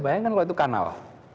bayangkan kalau itu kanal